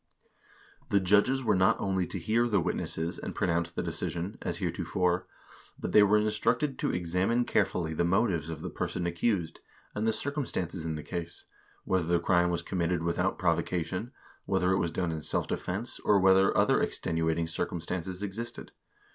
l The judges were not only to hear the witnesses and pronounce the decision, as heretofore, but they were instructed to examine carefully the motives of the person accused, and the circumstances in the case; whether the crime was committed without provocation, whether it was done in self defense, or whether other extenuating circumstances existed.